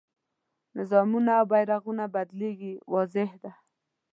نظامونه او بیرغونه بدلېږي واضح ده.